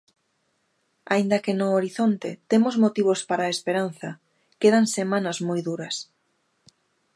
Aínda que no horizonte temos motivos para a esperanza, quedan semanas moi duras.